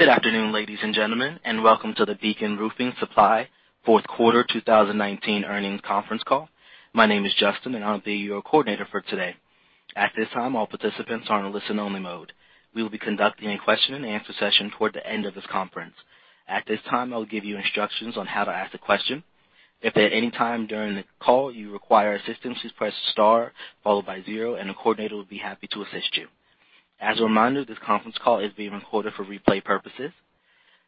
Good afternoon, ladies and gentlemen, welcome to the Beacon Roofing Supply fourth quarter 2019 earnings conference call. My name is Justin, and I'll be your coordinator for today. At this time, all participants are on a listen-only mode. We will be conducting a question-and-answer session toward the end of this conference. As a reminder, this conference call is being recorded for replay purposes.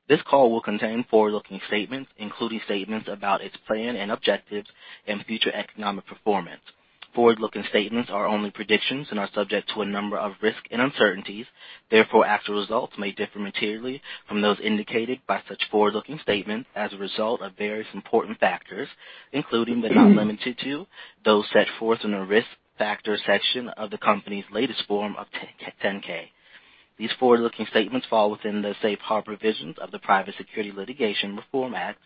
This call will contain forward-looking statements, including statements about its plan and objectives and future economic performance. Forward-looking statements are only predictions and are subject to a number of risks and uncertainties. Therefore, actual results may differ materially from those indicated by such forward-looking statements as a result of various important factors, including but not limited to, those set forth in the Risk Factors section of the company's latest Form 10-K. These forward-looking statements fall within the safe harbor provisions of the Private Securities Litigation Reform Act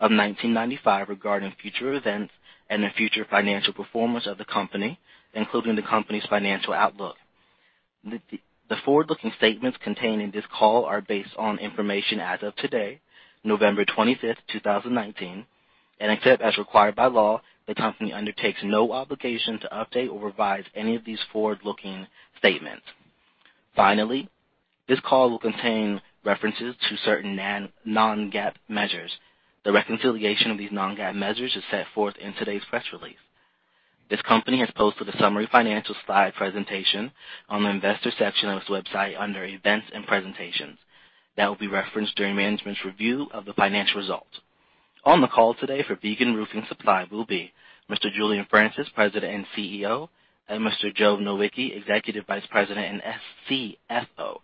of 1995 regarding future events and the future financial performance of the company, including the company's financial outlook. The forward-looking statements contained in this call are based on information as of today, November 25th, 2019. Except as required by law, the company undertakes no obligation to update or revise any of these forward-looking statements. Finally, this call will contain references to certain non-GAAP measures. The reconciliation of these non-GAAP measures is set forth in today's press release. This company has posted a summary financial slide presentation on the Investor section of its website under Events and Presentations. That will be referenced during management's review of the financial results. On the call today for Beacon Roofing Supply will be Mr. Julian Francis, President and CEO, and Mr. Joe Nowicki, Executive Vice President and CFO.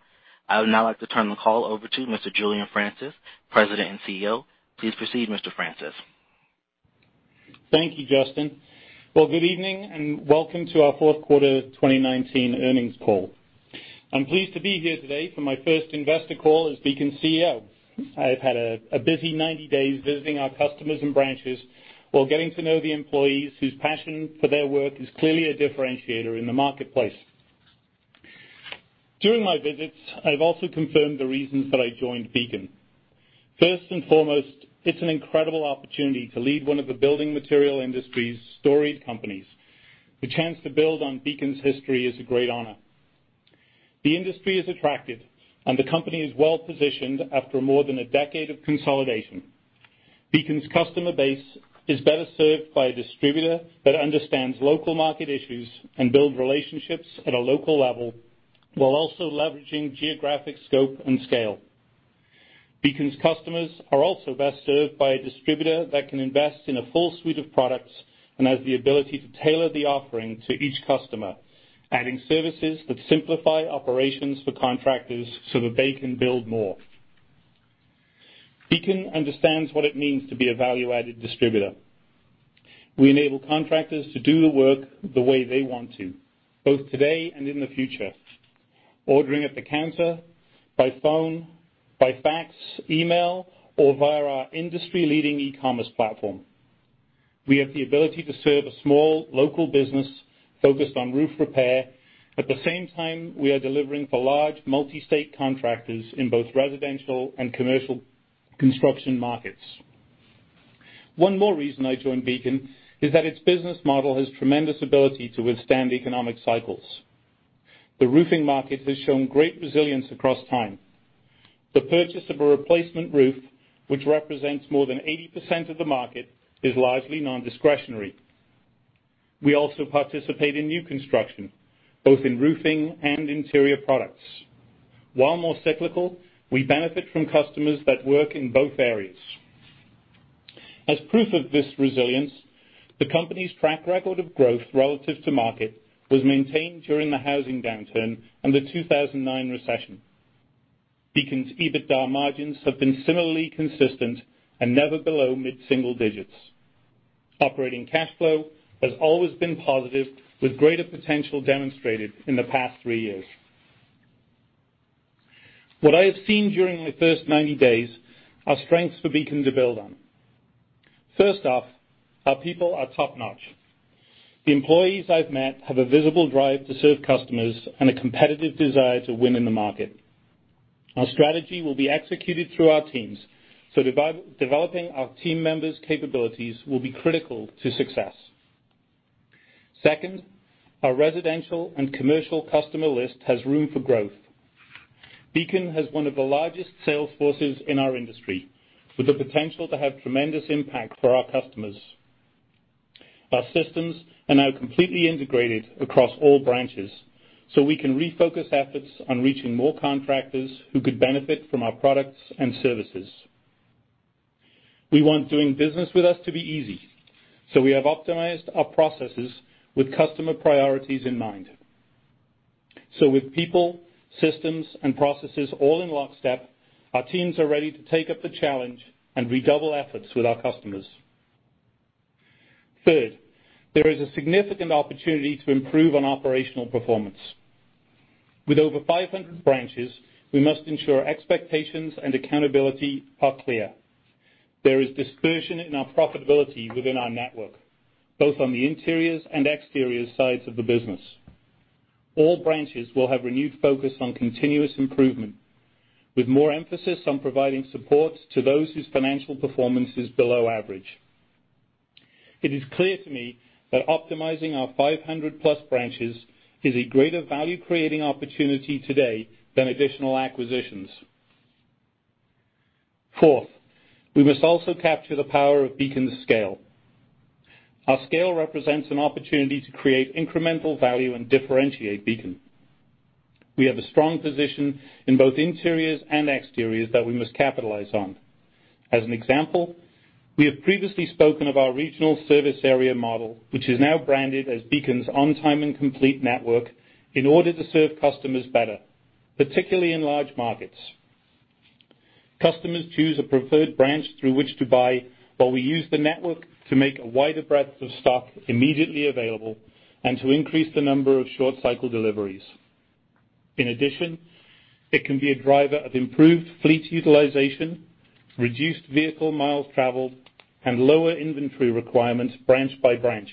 I would now like to turn the call over to Mr. Julian Francis, President and CEO. Please proceed, Mr. Francis. Thank you, Justin. Good evening, and welcome to our fourth quarter of 2019 earnings call. I'm pleased to be here today for my first investor call as Beacon CEO. I have had a busy 90 days visiting our customers and branches while getting to know the employees whose passion for their work is clearly a differentiator in the marketplace. During my visits, I've also confirmed the reasons that I joined Beacon. First and foremost, it's an incredible opportunity to lead one of the building material industry's storied companies. The chance to build on Beacon's history is a great honor. The industry is attractive, and the company is well-positioned after more than a decade of consolidation. Beacon's customer base is better served by a distributor that understands local market issues and build relationships at a local level while also leveraging geographic scope and scale. Beacon's customers are also best served by a distributor that can invest in a full suite of products and has the ability to tailor the offering to each customer, adding services that simplify operations for contractors so that they can build more. Beacon understands what it means to be a value-added distributor. We enable contractors to do the work the way they want to, both today and in the future. Ordering at the counter, by phone, by fax, email, or via our industry-leading e-commerce platform. We have the ability to serve a small local business focused on roof repair. At the same time, we are delivering for large multi-state contractors in both residential and commercial construction markets. One more reason I joined Beacon is that its business model has tremendous ability to withstand economic cycles. The roofing market has shown great resilience across time. The purchase of a replacement roof, which represents more than 80% of the market, is largely nondiscretionary. We also participate in new construction, both in roofing and interior products. While more cyclical, we benefit from customers that work in both areas. As proof of this resilience, the company's track record of growth relative to market was maintained during the housing downturn and the 2009 recession. Beacon's EBITDA margins have been similarly consistent and never below mid-single digits. Operating cash flow has always been positive, with greater potential demonstrated in the past three years. What I have seen during my first 90 days are strengths for Beacon to build on. First off, our people are top-notch. The employees I've met have a visible drive to serve customers and a competitive desire to win in the market. Our strategy will be executed through our teams, so developing our team members' capabilities will be critical to success. Second, our residential and commercial customer list has room for growth. Beacon has one of the largest sales forces in our industry, with the potential to have tremendous impact for our customers. Our systems are now completely integrated across all branches, so we can refocus efforts on reaching more contractors who could benefit from our products and services. We want doing business with us to be easy, so we have optimized our processes with customer priorities in mind. With people, systems, and processes all in lockstep, our teams are ready to take up the challenge and redouble efforts with our customers. Third, there is a significant opportunity to improve on operational performance. With over 500 branches, we must ensure expectations and accountability are clear. There is dispersion in our profitability within our network, both on the interiors and exterior sides of the business. All branches will have renewed focus on continuous improvement, with more emphasis on providing support to those whose financial performance is below average. It is clear to me that optimizing our 500 plus branches is a greater value-creating opportunity today than additional acquisitions. Fourth, we must also capture the power of Beacon's scale. Our scale represents an opportunity to create incremental value and differentiate Beacon. We have a strong position in both interiors and exteriors that we must capitalize on. As an example, we have previously spoken of our regional service area model, which is now branded as Beacon's On-Time And Complete network in order to serve customers better, particularly in large markets. Customers choose a preferred branch through which to buy, while we use the network to make a wider breadth of stock immediately available and to increase the number of short-cycle deliveries. In addition, it can be a driver of improved fleet utilization, reduced vehicle miles traveled, and lower inventory requirements branch by branch,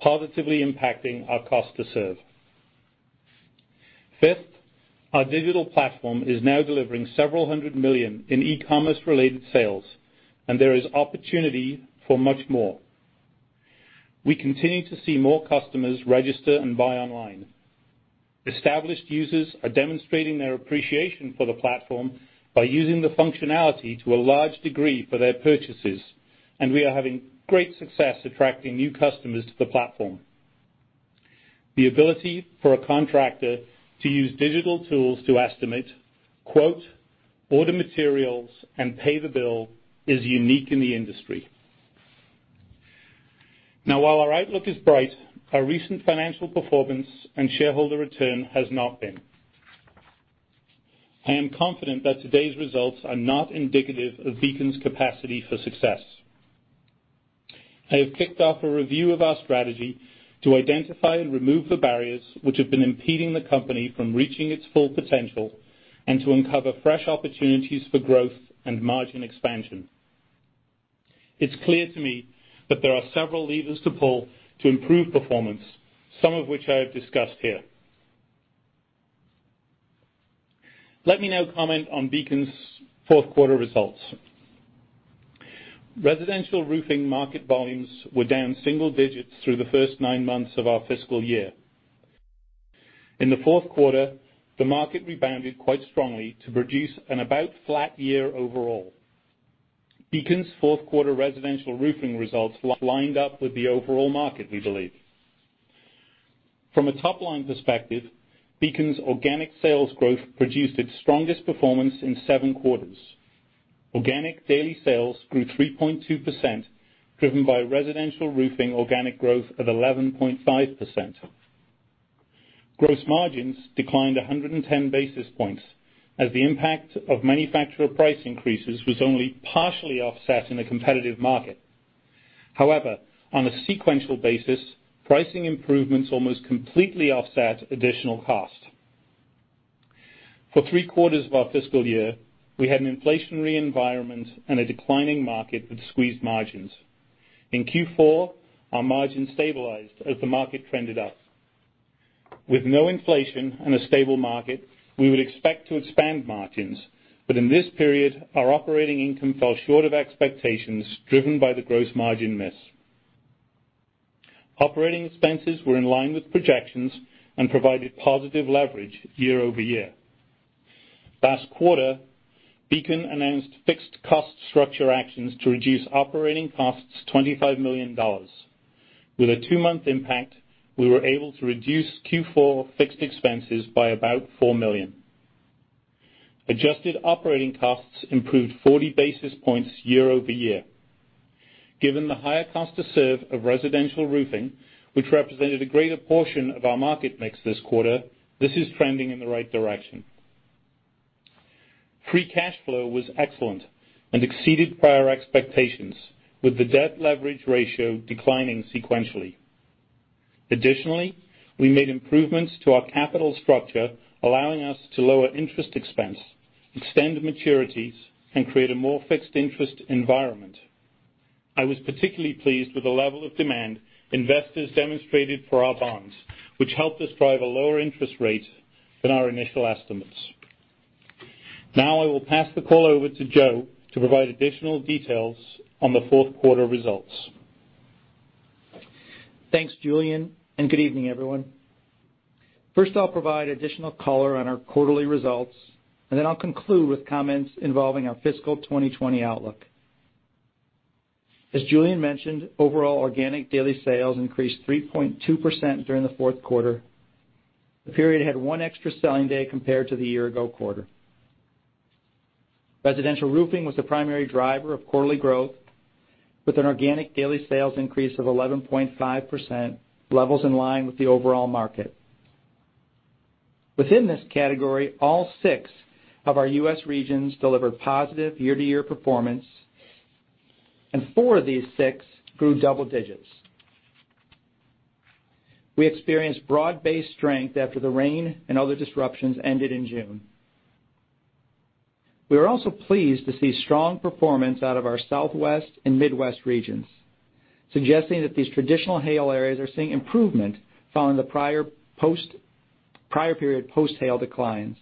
positively impacting our cost to serve. Fifth, our digital platform is now delivering several hundred million in e-commerce-related sales, and there is opportunity for much more. We continue to see more customers register and buy online. Established users are demonstrating their appreciation for the platform by using the functionality to a large degree for their purchases, and we are having great success attracting new customers to the platform. The ability for a contractor to use digital tools to estimate, quote, order materials, and pay the bill is unique in the industry. Now, while our outlook is bright, our recent financial performance and shareholder return has not been. I am confident that today's results are not indicative of Beacon's capacity for success. I have kicked off a review of our strategy to identify and remove the barriers which have been impeding the company from reaching its full potential and to uncover fresh opportunities for growth and margin expansion. It's clear to me that there are several levers to pull to improve performance, some of which I have discussed here. Let me now comment on Beacon's fourth quarter results. Residential roofing market volumes were down single digits through the first nine months of our fiscal year. In the fourth quarter, the market rebounded quite strongly to produce an about flat year overall. Beacon's fourth quarter residential roofing results lined up with the overall market, we believe. From a top-line perspective, Beacon's organic sales growth produced its strongest performance in seven quarters. Organic daily sales grew 3.2%, driven by residential roofing organic growth at 11.5%. Gross margins declined 110 basis points as the impact of manufacturer price increases was only partially offset in a competitive market. However, on a sequential basis, pricing improvements almost completely offset additional cost. For three quarters of our fiscal year, we had an inflationary environment and a declining market with squeezed margins. In Q4, our margins stabilized as the market trended up. With no inflation and a stable market, we would expect to expand margins, but in this period, our operating income fell short of expectations, driven by the gross margin miss. Operating expenses were in line with projections and provided positive leverage year-over-year. Last quarter, Beacon announced fixed cost structure actions to reduce operating costs $25 million. With a two-month impact, we were able to reduce Q4 fixed expenses by about $4 million. Adjusted operating costs improved 40 basis points year-over-year. Given the higher cost to serve of residential roofing, which represented a greater portion of our market mix this quarter, this is trending in the right direction. Free cash flow was excellent and exceeded prior expectations, with the debt leverage ratio declining sequentially. Additionally, we made improvements to our capital structure, allowing us to lower interest expense, extend maturities, and create a more fixed interest environment. I was particularly pleased with the level of demand investors demonstrated for our bonds, which helped us drive a lower interest rate than our initial estimates. I will pass the call over to Joe to provide additional details on the fourth quarter results. Thanks, Julian. Good evening, everyone. First, I'll provide additional color on our quarterly results. Then I'll conclude with comments involving our fiscal 2020 outlook. As Julian mentioned, overall organic daily sales increased 3.2% during the fourth quarter. The period had one extra selling day compared to the year ago quarter. Residential roofing was the primary driver of quarterly growth with an organic daily sales increase of 11.5%, levels in line with the overall market. Within this category, all six of our U.S. regions delivered positive year-to-year performance. Four of these six grew double digits. We experienced broad-based strength after the rain and other disruptions ended in June. We are also pleased to see strong performance out of our Southwest and Midwest regions, suggesting that these traditional hail areas are seeing improvement following the prior period post-hail declines.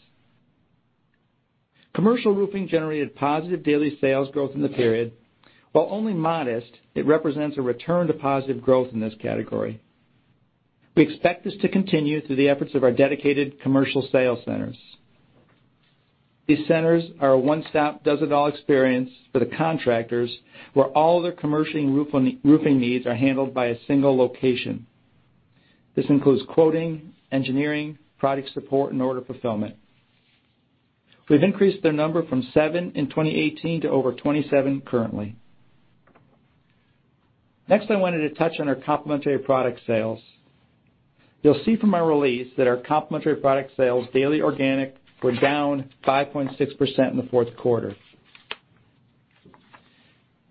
Commercial roofing generated positive daily sales growth in the period. While only modest, it represents a return to positive growth in this category. We expect this to continue through the efforts of our dedicated commercial sales centers. These centers are a one-stop does-it-all experience for the contractors, where all their commercial roofing needs are handled by a single location. This includes quoting, engineering, product support, and order fulfillment. We've increased their number from seven in 2018 to over 27 currently. I wanted to touch on our complementary product sales. You'll see from our release that our complementary product sales daily organic were down 5.6% in the fourth quarter.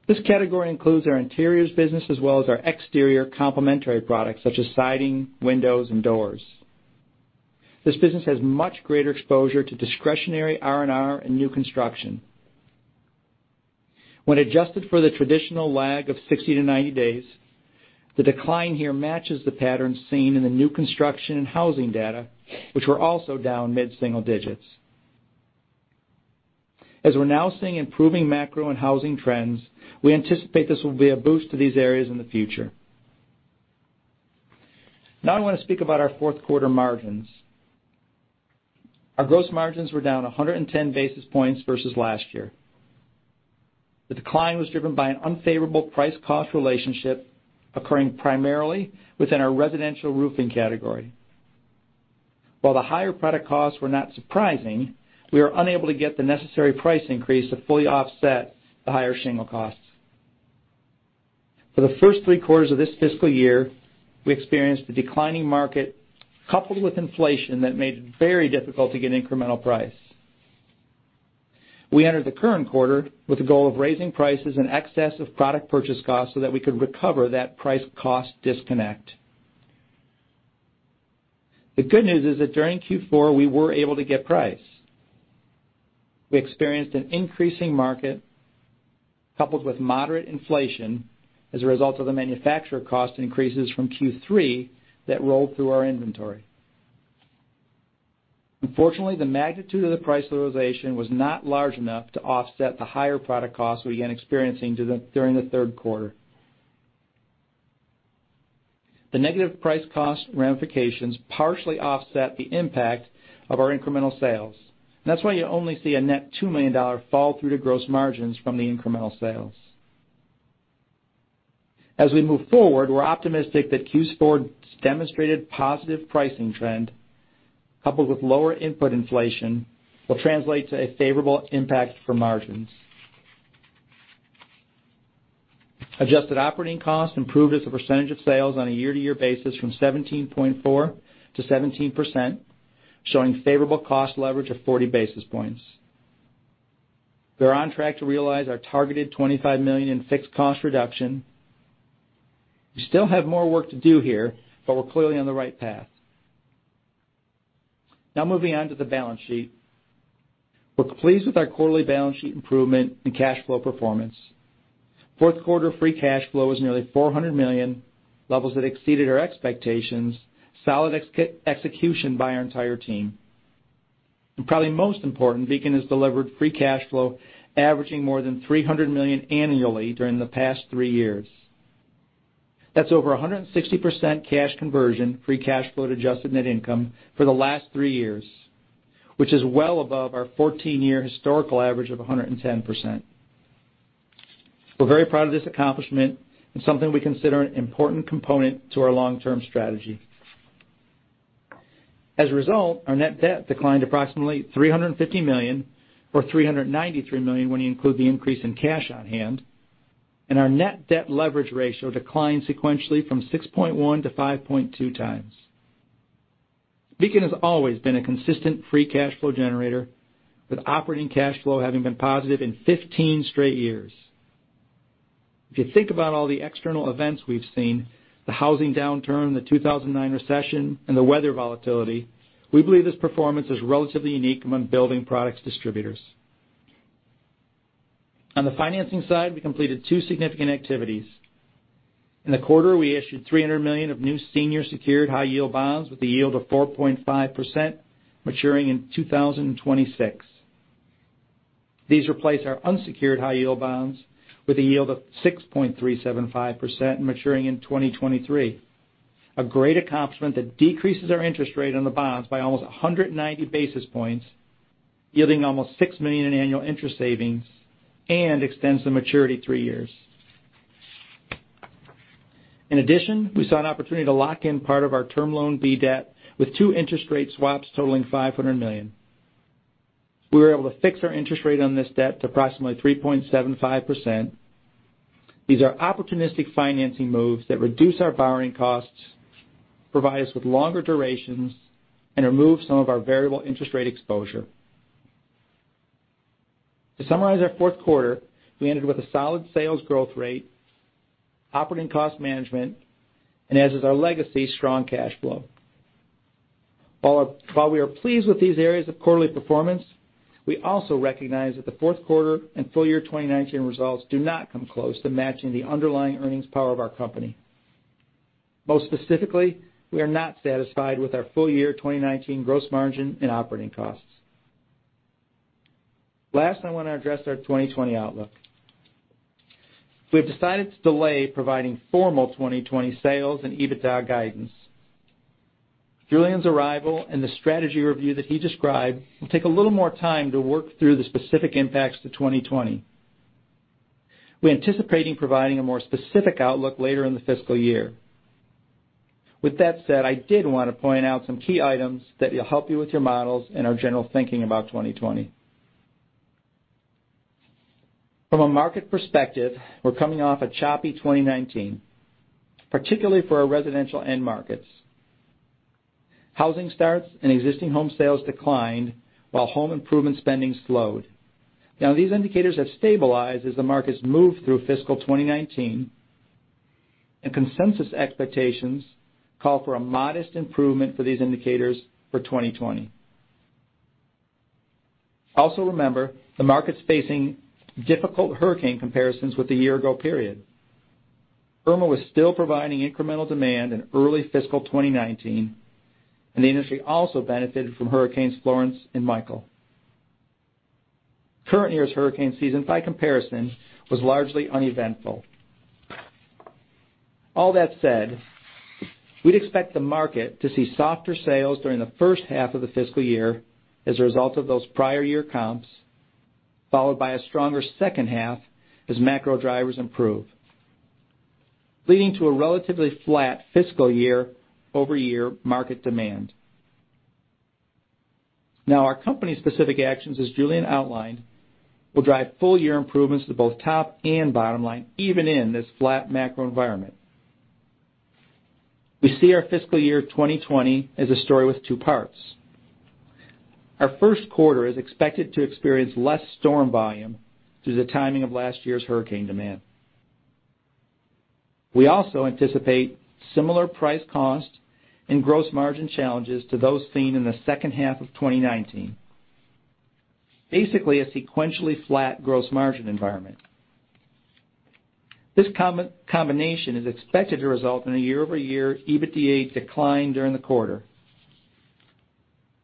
This category includes our interiors business as well as our exterior complementary products, such as siding, windows, and doors. This business has much greater exposure to discretionary R&R and new construction. When adjusted for the traditional lag of 60 to 90 days, the decline here matches the pattern seen in the new construction and housing data, which were also down mid-single digits. As we're now seeing improving macro and housing trends, we anticipate this will be a boost to these areas in the future. Now I wanna speak about our fourth quarter margins. Our gross margins were down 110 basis points versus last year. The decline was driven by an unfavorable price-cost relationship occurring primarily within our residential roofing category. While the higher product costs were not surprising, we were unable to get the necessary price increase to fully offset the higher shingle costs. For the first three quarters of this fiscal year, we experienced a declining market coupled with inflation that made it very difficult to get incremental price. We entered the current quarter with the goal of raising prices in excess of product purchase costs so that we could recover that price-cost disconnect. The good news is that during Q4, we were able to get price. We experienced an increasing market coupled with moderate inflation as a result of the manufacturer cost increases from Q3 that rolled through our inventory. Unfortunately, the magnitude of the price realization was not large enough to offset the higher product costs we began experiencing during the third quarter. The negative price cost ramifications partially offset the impact of our incremental sales. That's why you only see a net $2 million fall through the gross margins from the incremental sales. As we move forward, we're optimistic that Q4's demonstrated positive pricing trend, coupled with lower input inflation, will translate to a favorable impact for margins. Adjusted operating costs improved as a percentage of sales on a year-to-year basis from 17.4% to 17%, showing favorable cost leverage of 40 basis points. We're on track to realize our targeted $25 million in fixed cost reduction. We still have more work to do here, but we're clearly on the right path. Now moving on to the balance sheet. We're pleased with our quarterly balance sheet improvement and cash flow performance. Fourth quarter free cash flow was nearly $400 million, levels that exceeded our expectations, solid execution by our entire team. Probably most important, Beacon has delivered free cash flow averaging more than $300 million annually during the past three years. That's over 160% cash conversion, free cash flow to adjusted net income for the last three years, which is well above our 14-year historical average of 110%. We're very proud of this accomplishment and something we consider an important component to our long-term strategy. As a result, our net debt declined approximately $350 million or $393 million when you include the increase in cash on hand, and our net debt leverage ratio declined sequentially from 6.1x to 5.2x. Beacon has always been a consistent free cash flow generator, with operating cash flow having been positive in 15 straight years. If you think about all the external events we've seen, the housing downturn, the 2009 recession, and the weather volatility, we believe this performance is relatively unique among building products distributors. On the financing side, we completed two significant activities. In the quarter, we issued $300 million of new senior secured high-yield bonds with a yield of 4.5% maturing in 2026. These replace our unsecured high-yield bonds with a yield of 6.375% maturing in 2023. A great accomplishment that decreases our interest rate on the bonds by almost 190 basis points, yielding almost $6 million in annual interest savings and extends the maturity three years. In addition, we saw an opportunity to lock in part of our Term Loan B debt with two interest rate swaps totaling $500 million. We were able to fix our interest rate on this debt to approximately 3.75%. These are opportunistic financing moves that reduce our borrowing costs, provide us with longer durations, and remove some of our variable interest rate exposure. To summarize our fourth quarter, we ended with a solid sales growth rate, operating cost management, and as is our legacy, strong cash flow. While we are pleased with these areas of quarterly performance, we also recognize that the fourth quarter and full year 2019 results do not come close to matching the underlying earnings power of our company. Most specifically, we are not satisfied with our full year 2019 gross margin and operating costs. Last, I wanna address our 2020 outlook. We have decided to delay providing formal 2020 sales and EBITDA guidance. Julian's arrival and the strategy review that he described will take a little more time to work through the specific impacts to 2020. We're anticipating providing a more specific outlook later in the fiscal year. With that said, I did wanna point out some key items that will help you with your models and our general thinking about 2020. From a market perspective, we're coming off a choppy 2019, particularly for our residential end markets. Housing starts and existing home sales declined while home improvement spending slowed. Now, these indicators have stabilized as the markets move through fiscal 2019, and consensus expectations call for a modest improvement for these indicators for 2020. Also remember, the market's facing difficult hurricane comparisons with the year-ago period. Irma was still providing incremental demand in early fiscal 2019, and the industry also benefited from hurricanes Florence and Michael. Current year's hurricane season, by comparison, was largely uneventful. All that said, we'd expect the market to see softer sales during the first half of the fiscal year as a result of those prior year comps, followed by a stronger second half as macro drivers improve, leading to a relatively flat fiscal year-over-year market demand. Now, our company's specific actions, as Julian outlined, will drive full year improvements to both top and bottom line, even in this flat macro environment. We see our fiscal year 2020 as a story with two parts. Our first quarter is expected to experience less storm volume due to the timing of last year's hurricane demand. We also anticipate similar price cost and gross margin challenges to those seen in the second half of 2019. Basically, a sequentially flat gross margin environment. This combination is expected to result in a year-over-year EBITDA decline during the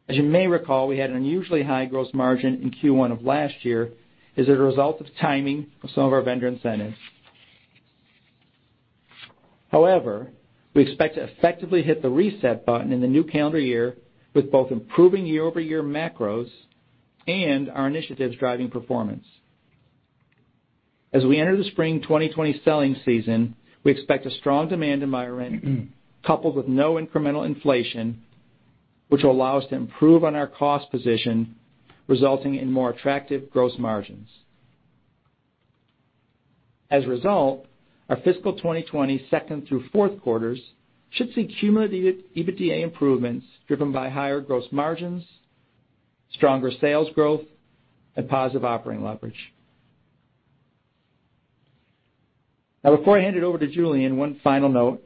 quarter. As you may recall, we had an unusually high gross margin in Q1 of last year as a result of timing of some of our vendor incentives. However, we expect to effectively hit the reset button in the new calendar year with both improving year-over-year macros and our initiatives driving performance. As we enter the spring 2020 selling season, we expect a strong demand environment coupled with no incremental inflation, which will allow us to improve on our cost position, resulting in more attractive gross margins. As a result, our fiscal 2020 second through fourth quarters should see cumulative EBITDA improvements driven by higher gross margins, stronger sales growth, and positive operating leverage. Now, before I hand it over to Julian, one final note.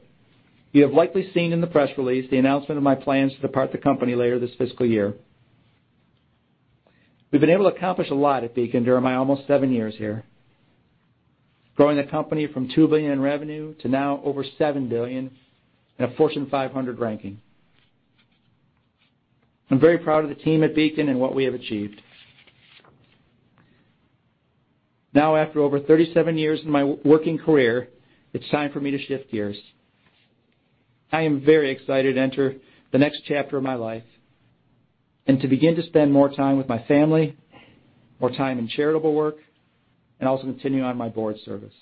You have likely seen in the press release the announcement of my plans to depart the company later this fiscal year. We've been able to accomplish a lot at Beacon during my almost seven years here, growing the company from $2 billion in revenue to now over $7 billion and a Fortune 500 ranking. I'm very proud of the team at Beacon and what we have achieved. Now, after over 37 years in my working career, it's time for me to shift gears. I am very excited to enter the next chapter of my life and to begin to spend more time with my family, more time in charitable work, and also continue on my board service.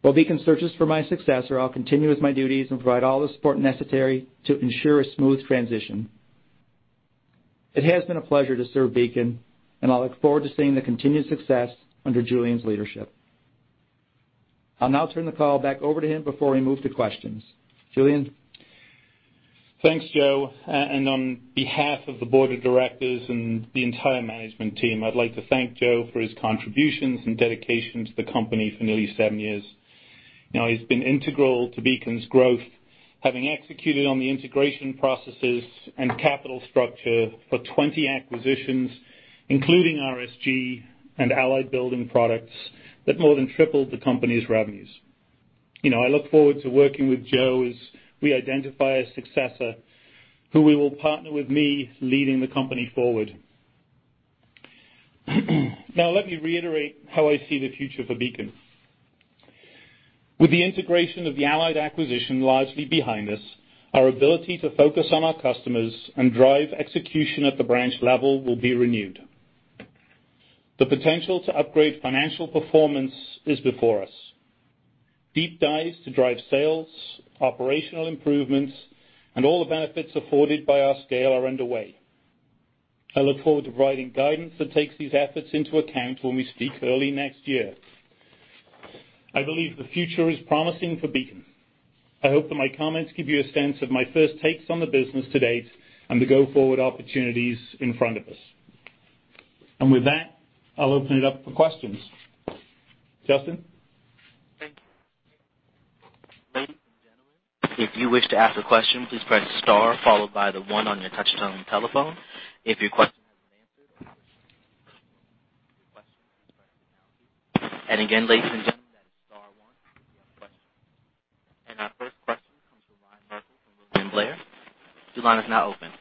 While Beacon searches for my successor, I'll continue with my duties and provide all the support necessary to ensure a smooth transition. It has been a pleasure to serve Beacon, and I look forward to seeing the continued success under Julian's leadership. I'll now turn the call back over to him before we move to questions. Julian? Thanks, Joe. On behalf of the board of directors and the entire management team, I'd like to thank Joe for his contributions and dedication to the company for nearly seven years. Now, he's been integral to Beacon's growth, having executed on the integration processes and capital structure for 20 acquisitions, including RSG and Allied Building Products that more than tripled the company's revenues. You know, I look forward to working with Joe as we identify a successor who will partner with me leading the company forward. Now, let me reiterate how I see the future for Beacon. With the integration of the Allied acquisition largely behind us, our ability to focus on our customers and drive execution at the branch level will be renewed. The potential to upgrade financial performance is before us. Deep dives to drive sales, operational improvements, and all the benefits afforded by our scale are underway. I look forward to providing guidance that takes these efforts into account when we speak early next year. I believe the future is promising for Beacon. I hope that my comments give you a sense of my first takes on the business to date and the go-forward opportunities in front of us. With that, I'll open it up for questions. Justin? Thank you. Ladies and gentlemen, if you wish to ask a question, please press star followed by the one on your touch-tone telephone. If your question hasn't been answered or your questions, please press star now. And again, ladies and gentlemen, that is star one if you have questions. And our first question comes from Ryan Merkel from William Blair. Your line is now open.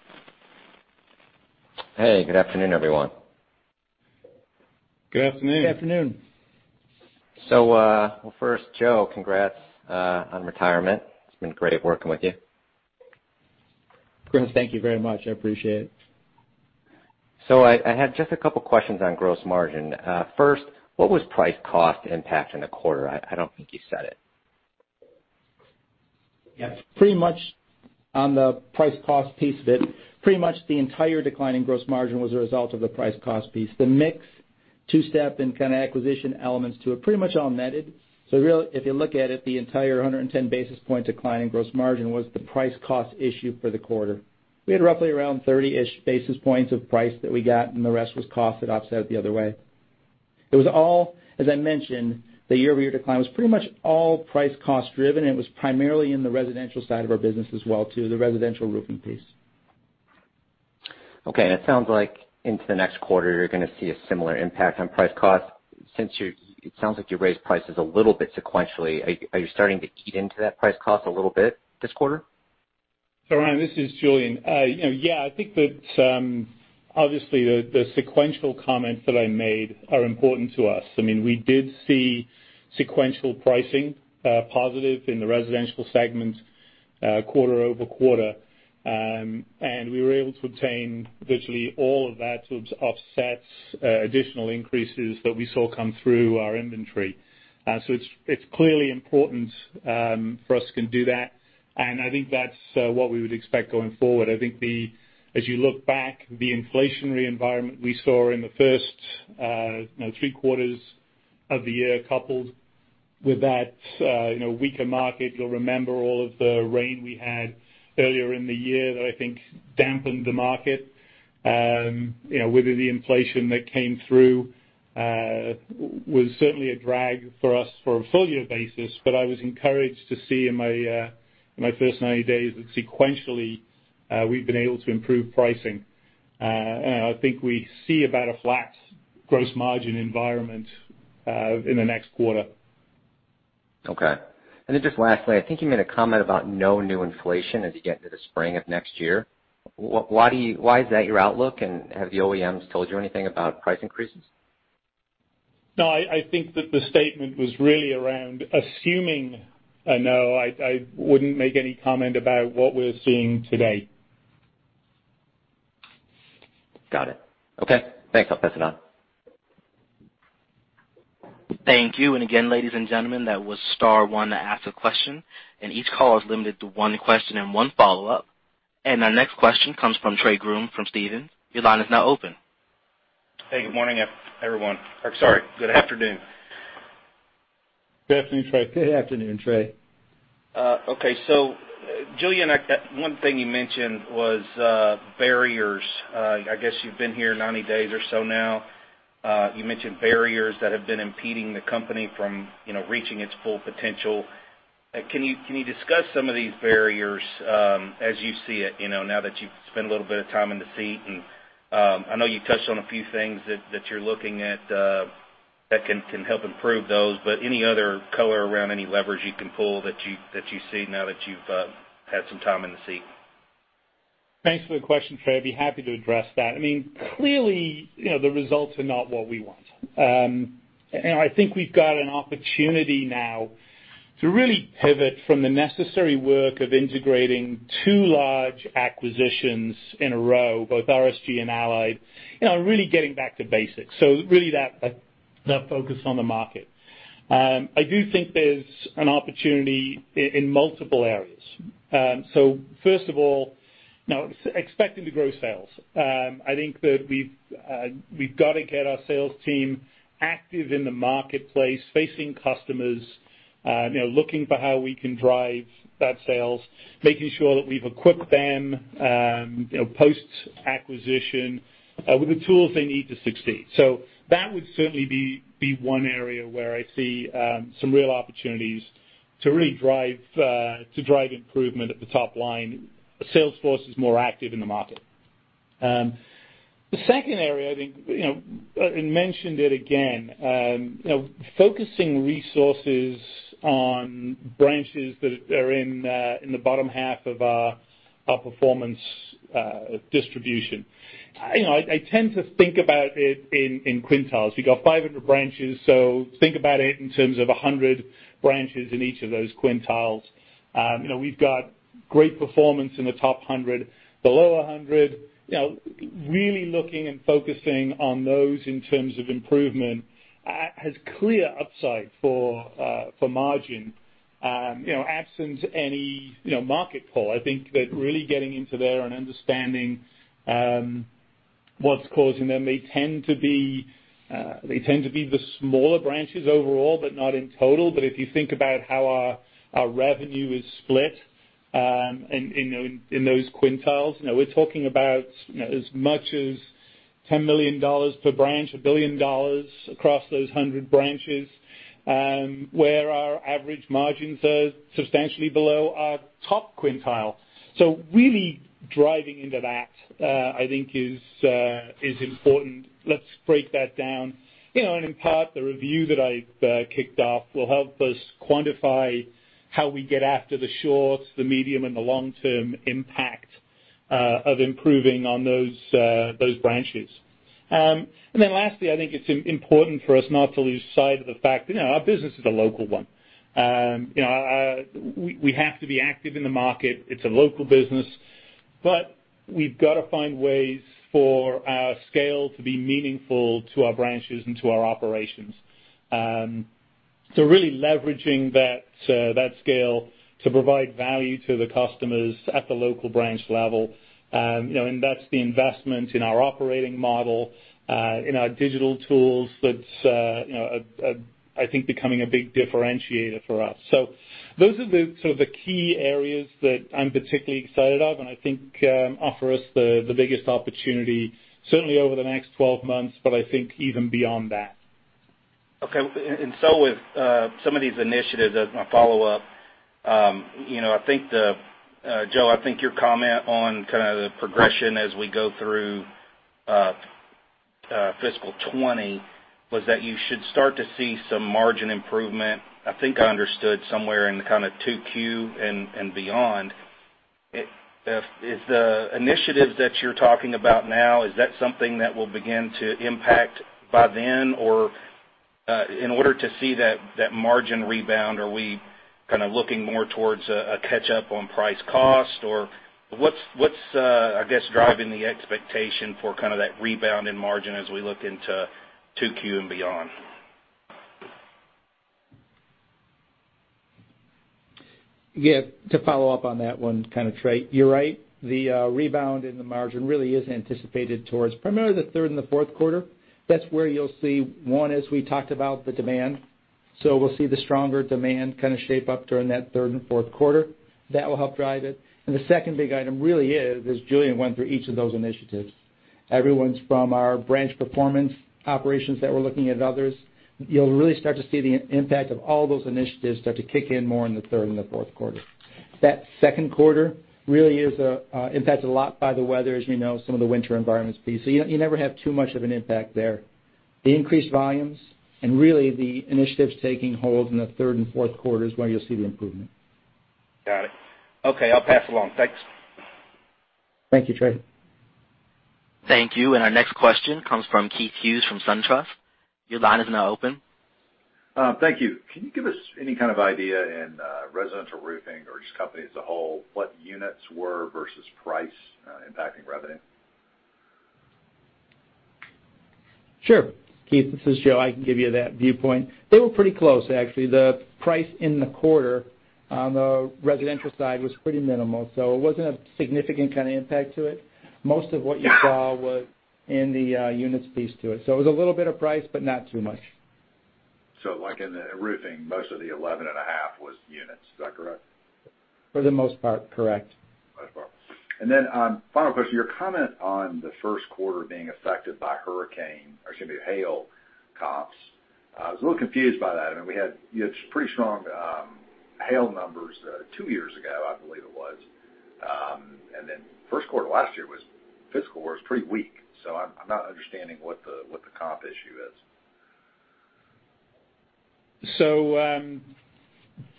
Hey, good afternoon, everyone. Good afternoon. Good afternoon. well, first, Joe, congrats, on retirement. It's been great working with you. Chris, Thank you very much. I appreciate it. I had just a couple of questions on gross margin. First, what was price cost impact in the quarter? I don't think you said it. Yeah, pretty much on the price cost piece of it, pretty much the entire decline in gross margin was a result of the price cost piece. The mix, two-step and tuck-in acquisition elements to it pretty much all netted. If you look at it, the entire 110 basis point decline in gross margin was the price cost issue for the quarter. We had roughly around 30-ish basis points of price that we got, and the rest was cost that offset the other way. It was all, as I mentioned, the year-over-year decline was pretty much all price-cost-driven, and it was primarily in the residential side of our business as well too, the residential roofing piece. Okay. It sounds like into the next quarter, you're gonna see a similar impact on price cost. It sounds like you raised prices a little bit sequentially. Are you starting to eat into that price cost a little bit this quarter? Ryan, this is Julian. You know, yeah, I think that, obviously the sequential comments that I made are important to us. I mean, we did see sequential pricing, positive in the residential segment, quarter-over-quarter. We were able to obtain virtually all of that to offset additional increases that we saw come through our inventory. It's clearly important, for us to do that, and I think that's what we would expect going forward. I think the as you look back, the inflationary environment we saw in the first, three quarters of the year, coupled with that, weaker market. You'll remember all of the rain we had earlier in the year that I think dampened the market. you know, whether the inflation that came through, was certainly a drag for us for a full year basis. I was encouraged to see in my first 90 days that sequentially, we've been able to improve pricing. I think we see about a flat gross margin environment, in the next quarter. Okay. Just lastly, I think you made a comment about no new inflation as you get into the spring of next year. Why is that your outlook, and have the OEMs told you anything about price increases? No, I think that the statement was really around assuming, no, I wouldn't make any comment about what we're seeing today. Got it. Okay. Thanks. I'll pass it on. Thank you. Again, ladies and gentlemen, that was star one to ask a question, and each call is limited to one question and one follow-up. Our next question comes from Trey Grooms from Stephens. Your line is now open. Hey, good morning, everyone. Sorry, good afternoon. Good afternoon, Trey. Good afternoon, Trey. Okay, Julian, one thing you mentioned was barriers. I guess you've been here 90 days or so now. You mentioned barriers that have been impeding the company from, you know, reaching its full potential. Can you discuss some of these barriers, as you see it, you know, now that you've spent a little bit of time in the seat? I know you touched on a few things that you're looking at that can help improve those, but any other color around any levers you can pull that you see now that you've had some time in the seat? Thanks for the question, Trey. I'd be happy to address that. I mean, clearly, you know, the results are not what we want. I think we've got an opportunity now to really pivot from the necessary work of integrating two large acquisitions in a row, both RSG and Allied, you know, and really getting back to basics. Really that focus on the market. I do think there's an opportunity in multiple areas. First of all, you know, expecting to grow sales. I think that we've got to get our sales team active in the marketplace, facing customers, you know, looking for how we can drive that sales, making sure that we've equipped them, you know, post-acquisition, with the tools they need to succeed. That would certainly be one area where I see some real opportunities to really drive improvement at the top line. Sales force is more active in the market. The second area, I think, you know, and mentioned it again, you know, focusing resources on branches that are in the bottom half of our performance distribution. You know, I tend to think about it in quintiles. You've got 500 branches, so think about it in terms of 100 branches in each of those quintiles. You know, we've got great performance in the top 100. The lower 100, you know, really looking and focusing on those in terms of improvement, has clear upside for margin. you know, absent any, you know, market pull, I think that really getting into there and understanding what's causing them. They tend to be the smaller branches overall, but not in total. If you think about how our revenue is split in those quintiles. Now we're talking about, you know, as much as $10 million per branch, $1 billion across those 100 branches, where our average margins are substantially below our top quintile. Really driving into that, I think is important. Let's break that down. In part, the review that I kicked off will help us quantify how we get after the short, the medium, and the long-term impact of improving on those branches. lastly, I think it's important for us not to lose sight of the fact that, you know, our business is a local one. you know, we have to be active in the market. It's a local business, but we've gotta find ways for our scale to be meaningful to our branches and to our operations. really leveraging that scale to provide value to the customers at the local branch level. you know, and that's the investment in our operating model, in our digital tools that's, you know, I think becoming a big differentiator for us. those are the sort of the key areas that I'm particularly excited of and I think offer us the biggest opportunity certainly over the next 12 months, but I think even beyond that. Okay. With some of these initiatives as my follow-up, you know, I think the, Joe, I think your comment on kind of the progression as we go through fiscal 2020 was that you should start to see some margin improvement, I think I understood somewhere in the kind of 2Q and beyond. Is the initiatives that you're talking about now, is that something that will begin to impact by then? In order to see that margin rebound, are we kinda looking more towards a catch-up on price cost? What's, I guess, driving the expectation for kind of that rebound in margin as we look into 2Q and beyond? Yeah. To follow up on that one, kind of, Trey, you're right. The rebound in the margin really is anticipated towards primarily the third and the fourth quarter. That's where you'll see, one, as we talked about the demand. We'll see the stronger demand kind of shape up during that third and fourth quarter. That will help drive it. The second big item really is, as Julian went through each of those initiatives, everyone's from our branch performance operations that we're looking at others. You'll really start to see the impact of all those initiatives start to kick in more in the third and the fourth quarter. That second quarter really is impacted a lot by the weather, as you know, some of the winter environments piece. You never have too much of an impact there. The increased volumes and really the initiatives taking hold in the third and fourth quarter is where you'll see the improvement. Got it. Okay, I'll pass along. Thanks. Thank you, Trey. Thank you. Our next question comes from Keith Hughes from SunTrust. Your line is now open. Thank you. Can you give us any kind of idea in residential roofing or just company as a whole what units were versus price impacting revenue? Sure. Keith, this is Joe. I can give you that viewpoint. They were pretty close, actually. The price in the quarter on the residential side was pretty minimal, so it wasn't a significant kind of impact to it. Most of what you saw was in the units piece to it. It was a little bit of price, but not too much. like in the roofing, most of the 11.5 was units. Is that correct? For the most part, correct. Right. Final question. Your comment on the first quarter being affected by hurricane or excuse me, hail comps, I was a little confused by that. I mean, you had some pretty strong hail numbers, two years ago, I believe it was. First quarter last year was, fiscal year was pretty weak. I'm not understanding what the comp issue is.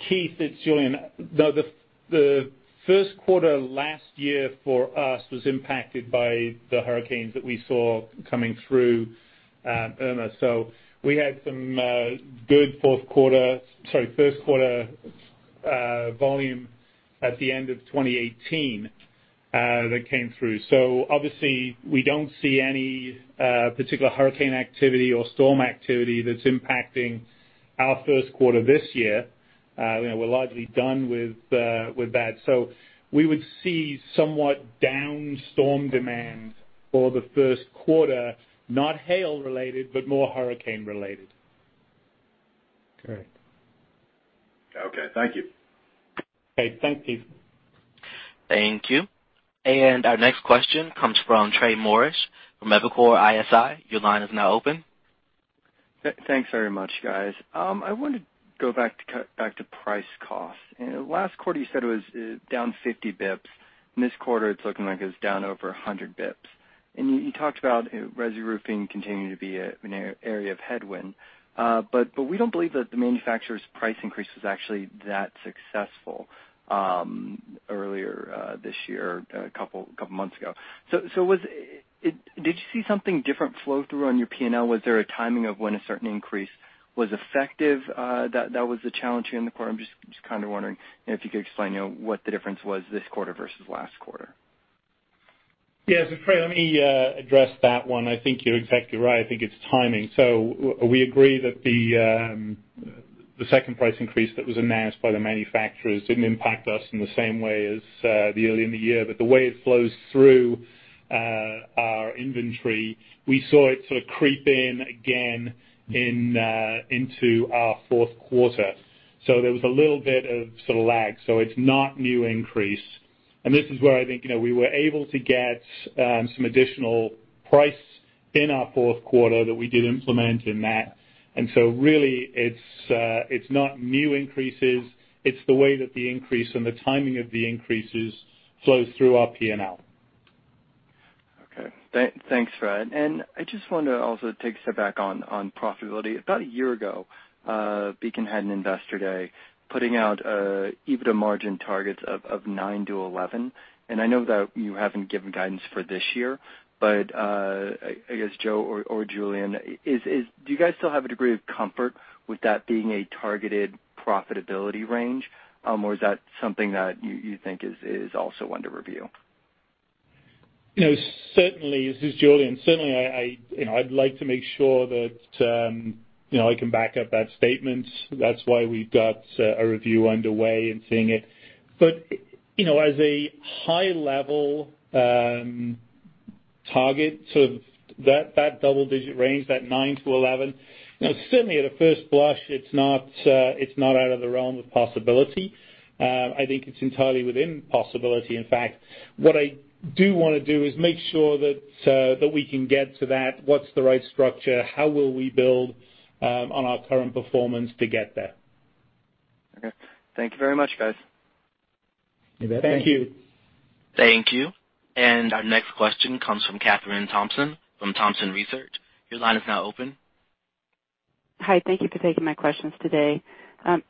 Keith, it's Julian. No, the first quarter last year for us was impacted by the hurricanes that we saw coming through, Irma. We had some good first quarter volume at the end of 2018 that came through. Obviously, we don't see any particular hurricane activity or storm activity that's impacting our first quarter this year. You know, we're largely done with that. We would see somewhat down storm demand for the first quarter, not hail related, but more hurricane related. Great. Okay. Thank you. Okay. Thanks, Keith. Thank you. Our next question comes from Trey Morris from Evercore ISI. Your line is now open. Thanks very much, guys. I wanted to go back to price cost. Last quarter, you said it was down 50 basis points. This quarter, it's looking like it's down over 100 basis points. You talked about roofing continuing to be an area of headwind. But we don't believe that the manufacturer's price increase was actually that successful earlier this year a couple months ago. Did you see something different flow through on your P&L? Was there a timing of when a certain increase was effective that was the challenge here in the quarter? I'm just kind of wondering if you could explain, you know, what the difference was this quarter versus last quarter. Yes. Trey, let me address that one. I think you're exactly right. I think it's timing. We agree that the second price increase that was announced by the manufacturers didn't impact us in the same way as the earlier in the year. The way it flows through our inventory, we saw it sort of creep in again into our fourth quarter. There was a little bit of sort of lag. It's not new increase. This is where I think, you know, we were able to get some additional price in our fourth quarter that we did implement in that. Really, it's not new increases, it's the way that the increase and the timing of the increases flows through our P&L. Okay. Thanks, Fred. I just wanna also take a step back on profitability. About a year ago, Beacon had an investor day putting out EBITDA margin targets of nine to 11. I know that you haven't given guidance for this year, but I guess Joe or Julian, do you guys still have a degree of comfort with that being a targeted profitability range, or is that something that you think is also under review? You know, certainly, this is Julian. Certainly, I, you know, I'd like to make sure that, you know, I can back up that statement. That's why we've got a review underway in seeing it. You know, as a high level, target, sort of that double digit range, that nine to 11, you know, certainly at a first blush, it's not, it's not out of the realm of possibility. I think it's entirely within possibility, in fact. What I do wanna do is make sure that we can get to that, what's the right structure, how will we build, on our current performance to get there. Okay. Thank you very much, guys. You bet. Thank you. Thank you. Our next question comes from Kathryn Thompson from Thompson Research. Your line is now open. Hi, thank you for taking my questions today.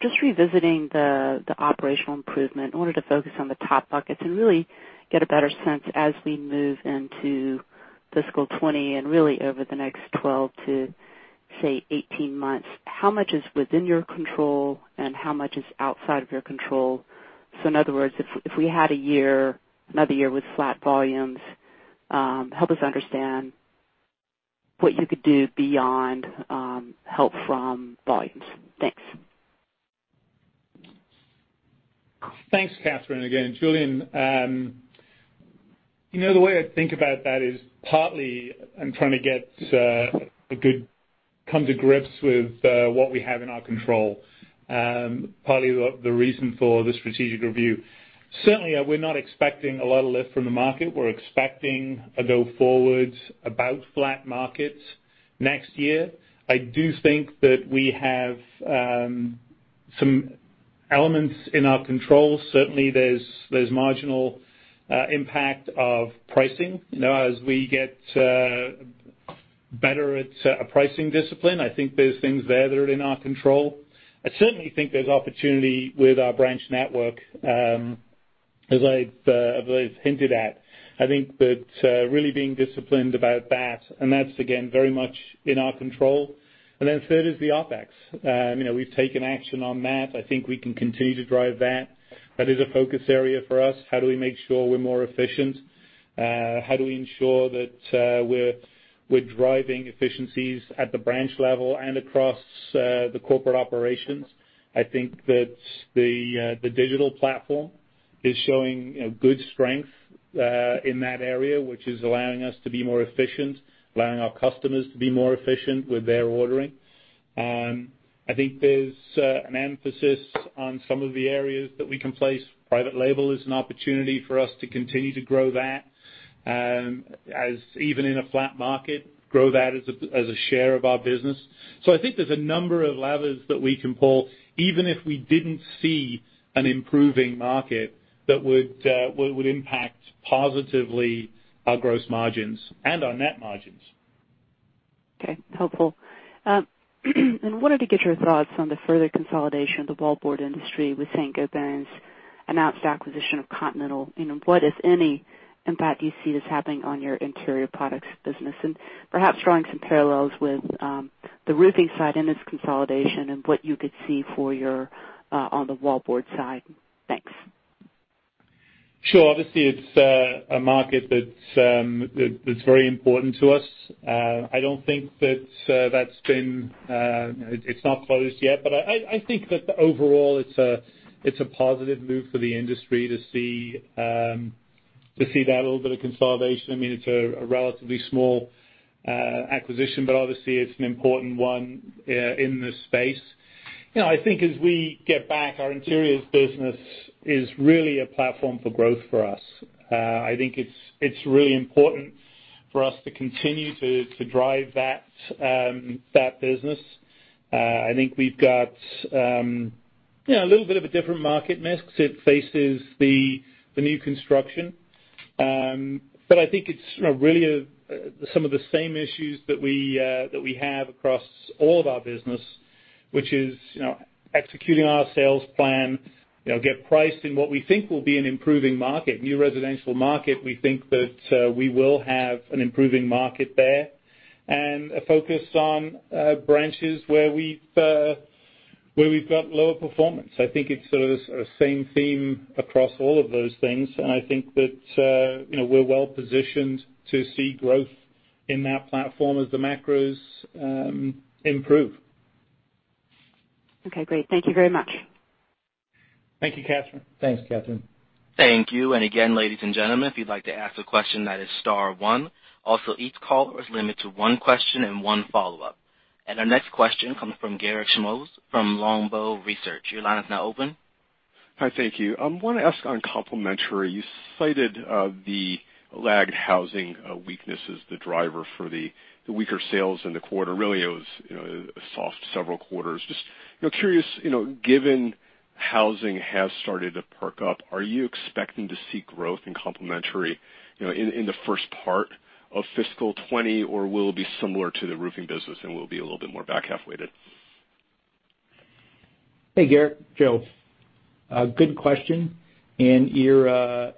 Just revisiting the operational improvement, I wanted to focus on the top buckets and really get a better sense as we move into fiscal 2020 and really over the next 12-18 months, how much is within your control and how much is outside of your control? In other words, if we had a year, another year with flat volumes, help us understand what you could do beyond help from volumes. Thanks. Thanks, Kathryn. Again, Julian. You know, the way I think about that is partly I'm trying to get a good come to grips with what we have in our control. partly the reason for the strategic review. Certainly, we're not expecting a lot of lift from the market. We're expecting a go-forward about flat markets next year. I do think that we have some elements in our control. Certainly, there's marginal impact of pricing. You know, as we get better at a pricing discipline, I think there's things there that are in our control. I certainly think there's opportunity with our branch network, as I've hinted at. I think that really being disciplined about that, and that's again, very much in our control. Then third is the OpEx. you know, we've taken action on that. I think we can continue to drive that. That is a focus area for us. How do we make sure we're more efficient? how do we ensure that, we're driving efficiencies at the branch level and across the corporate operations? I think that the digital platform is showing, you know, good strength in that area, which is allowing us to be more efficient, allowing our customers to be more efficient with their ordering. I think there's an emphasis on some of the areas that we can place. Private label is an opportunity for us to continue to grow that as even in a flat market, grow that as a share of our business. I think there's a number of levers that we can pull, even if we didn't see an improving market that would impact positively our gross margins and our net margins. Okay. Helpful. Wanted to get your thoughts on the further consolidation of the wallboard industry with Saint-Gobain's announced acquisition of Continental. You know, what, if any, impact do you see this having on your interior products business? Perhaps drawing some parallels with the roofing side and its consolidation and what you could see for your on the wallboard side. Thanks. Sure. Obviously, it's a market that's very important to us. I don't think that that's been, you know, it's not closed yet, but I think that overall it's a positive move for the industry to see that little bit of consolidation. I mean, it's a relatively small acquisition, but obviously it's an important one in this space. You know, I think as we get back, our interiors business is really a platform for growth for us. I think it's really important for us to continue to drive that business. I think we've got, you know, a little bit of a different market mix. It faces the new construction. I think it's, you know, really, some of the same issues that we have across all of our business, which is, you know, executing our sales plan. You know, get priced in what we think will be an improving market. New residential market, we think that, we will have an improving market there, and a focus on branches where we've got lower performance. I think it's the same theme across all of those things, and I think that, you know, we're well-positioned to see growth in that platform as the macros improve. Okay, great. Thank you very much. Thank you, Kathryn. Thanks, Kathryn. Thank you. Again, ladies and gentlemen, if you'd like to ask a question, that is star one. Also, each caller is limited to one question and one follow-up. Our next question comes from Garik Shmois from Longbow Research. Your line is now open. Hi. Thank you. I want to ask on complementary, you cited the lagged housing weakness as the driver for the weaker sales in the quarter. Really, it was, you know, a soft several quarters. Just, you know, curious, you know, given housing has started to perk up, are you expecting to see growth in complementary, you know, in the first part of fiscal 2020, or will it be similar to the roofing business and will be a little bit more back-half weighted? Hey, Garik, Joe. Good question. Your answer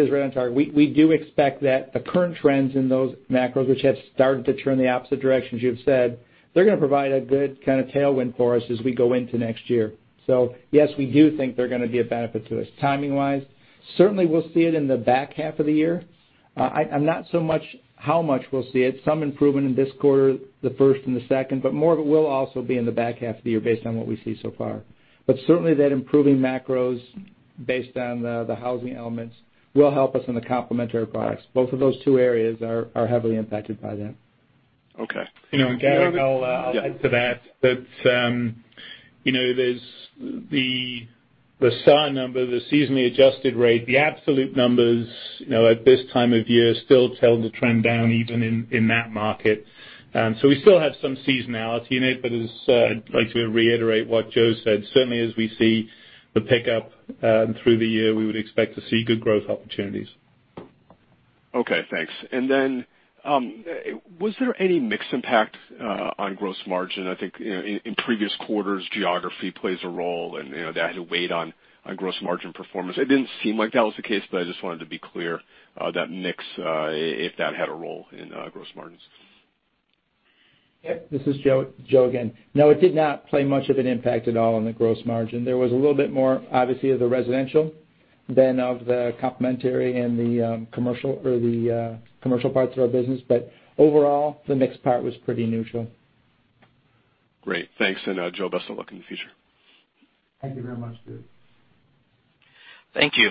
is right on target. We do expect that the current trends in those macros, which have started to turn the opposite direction as you have said, they're gonna provide a good kinda tailwind for us as we go into next year. Yes, we do think they're gonna be a benefit to us. Timing-wise, certainly we'll see it in the back half of the year. I'm not so much how much we'll see it, some improvement in this quarter, the first and the second, but more of it will also be in the back half of the year based on what we see so far. Certainly that improving macros based on the housing elements will help us in the complementary products. Both of those two areas are heavily impacted by that. Okay. You know, Garik, I'll add to that. That, you know, there's the SAAR number, the seasonally adjusted rate, the absolute numbers, you know, at this time of year still tell the trend down even in that market. We still have some seasonality in it, but as I'd like to reiterate what Joe said, certainly as we see the pickup through the year, we would expect to see good growth opportunities. Okay, thanks. Was there any mix impact on gross margin? I think, you know, in previous quarters, geography plays a role and, you know, that had a weight on gross margin performance. It didn't seem like that was the case, but I just wanted to be clear that mix if that had a role in gross margins. Yep. This is Joe again. No, it did not play much of an impact at all on the gross margin. There was a little bit more obviously of the residential than of the complementary and the commercial or the commercial parts of our business. Overall, the mix part was pretty neutral. Great. Thanks, and, Joe, best of luck in the future. Thank you very much, Garik. Thank you.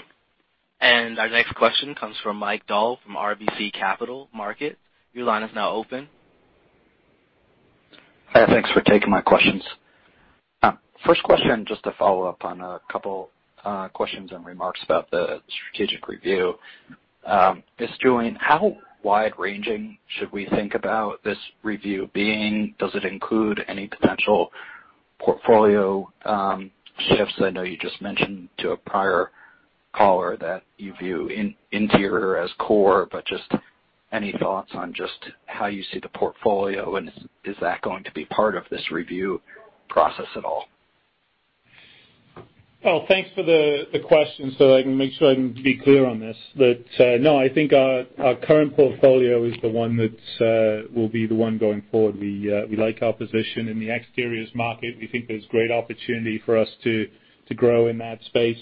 Our next question comes from Mike Dahl from RBC Capital Markets. Your line is now open. Hi, thanks for taking my questions. First question, just to follow up on a couple questions and remarks about the strategic review. Just Julian, how wide-ranging should we think about this review being? Does it include any potential portfolio shifts? I know you just mentioned to a prior caller that you view in-interior as core, but just any thoughts on just how you see the portfolio, and is that going to be part of this review process at all? Well, thanks for the question, I can make sure I can be clear on this. That, no, I think our current portfolio is the one that will be the one going forward. We like our position in the exteriors market. We think there's great opportunity for us to grow in that space,